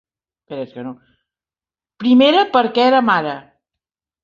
Primera, perquè era mare